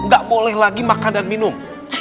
gak boleh lagi makan dan minum